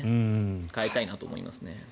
変えたいなと思いますね。